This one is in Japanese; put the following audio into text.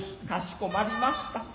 かしこまりました。